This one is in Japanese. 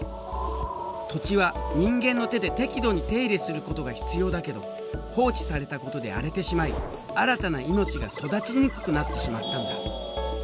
土地は人間の手で適度に手入れすることが必要だけど放置されたことで荒れてしまい新たな命が育ちにくくなってしまったんだ。